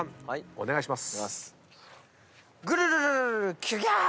お願いします。